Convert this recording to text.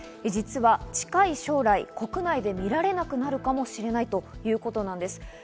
実は近い将来、国内で見られなくなるかもしれないということなんです。